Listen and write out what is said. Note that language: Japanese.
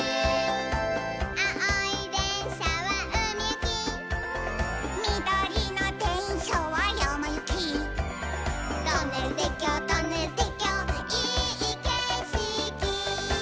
「あおいでんしゃはうみゆき」「みどりのでんしゃはやまゆき」「トンネルてっきょうトンネルてっきょういいけしき」